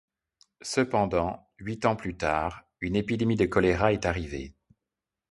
Cependant, huit ans plus tard, une épidémie de choléra est arrivée.